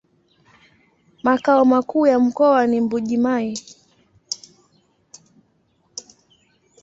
Makao makuu ya mkoa ni Mbuji-Mayi.